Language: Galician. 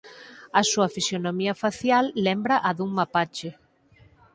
A súa fisionomía facial lembra a dun mapache.